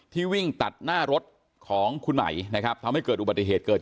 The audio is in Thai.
วิ่งตัดหน้ารถของคุณไหมนะครับทำให้เกิดอุบัติเหตุเกิด